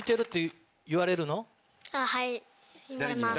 はい。